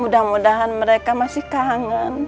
mudah mudahan mereka masih kangen